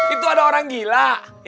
itu ada orang gila